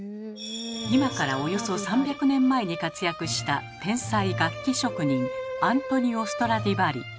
今からおよそ３００年前に活躍した天才楽器職人アントニオ・ストラディヴァリ。